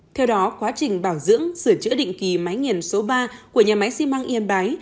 theo đó quá trình bảo dưỡng sửa chữa định kỳ máy nghiền số ba của nhà máy xi măng yên bái